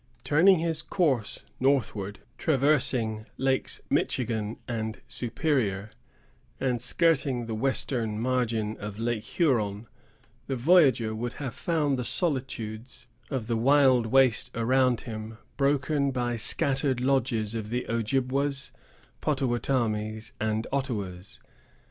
Turning his course northward, traversing Lakes Michigan and Superior, and skirting the western margin of Lake Huron, the voyager would have found the solitudes of the wild waste around him broken by scattered lodges of the Ojibwas, Pottawattamies, and Ottawas.